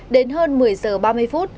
đến hơn một mươi h ba mươi phút